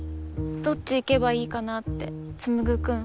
どっち行けばいいかなってつむぐくん。